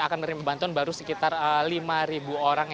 akan diberi bantuan baru sekitar lima ribu orang